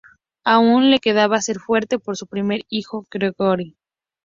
Aún le quedaba ser fuerte por su primer hijo Gregory.